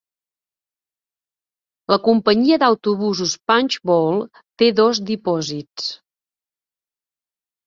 La companyia d'autobusos Punchbowl té dos dipòsits.